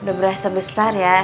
udah berasa besar ya